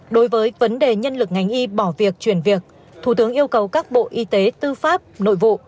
đối với vấn đề nhân lực ngành y bỏ việc chuyển việc thủ tướng yêu cầu các bộ y tế tư pháp nội vụ